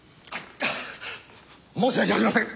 申し訳ありません！